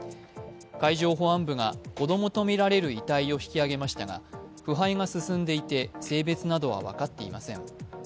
海上保安部が子供とみられる遺体を引き上げましたが腐敗が進んでいて性別などは分かっていません。